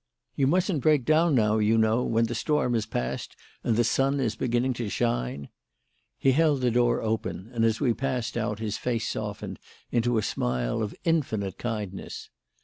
You mustn't break down now, you know, when the storm has passed and the sun is beginning to shine." He held the door open, and as we passed out his face softened into a smile of infinite kindness.